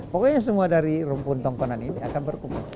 pokoknya semua dari rumpun tongkonan ini akan berkumpul